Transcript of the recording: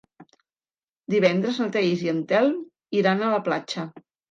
Divendres na Thaís i en Telm iran a la platja.